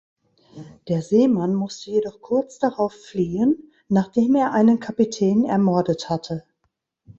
Der Seemann musste jedoch kurz darauf fliehen, nachdem er einen Kapitän ermordet hatte.